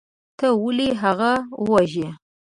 تا ولې هغه وواژه.